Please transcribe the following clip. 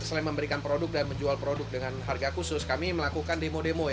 selain memberikan produk dan menjual produk dengan harga khusus kami melakukan demo demo